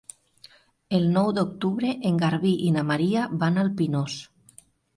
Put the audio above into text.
El nou d'octubre en Garbí i na Maria van al Pinós.